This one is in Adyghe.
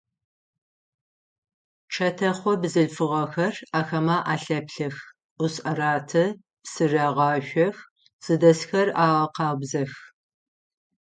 Чэтэхъо бзылъфыгъэхэр ахэмэ алъэплъэх, ӏус араты, псы рагъашъох, зыдэсхэр агъэкъабзэх.